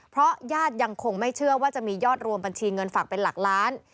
เพราะญาติยังคงไม่เชื่อว่าจะมียอดรวมบัญชีเงินฝากเป็นหลักล้าน